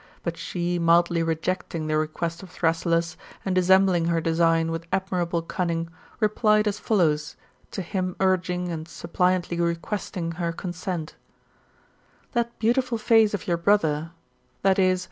But she mildly rejecting the request of Thrasyllus, and dissembling her design with admirable cunning, replied as follows, to him urging and suppliantly requesting her consent :' That beautiful face of your brother [i.e.